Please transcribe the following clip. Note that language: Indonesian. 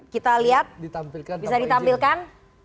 kita lihat bisa ditampilkan